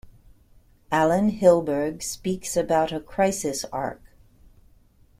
Alan Hilburg speaks about a crisis arc.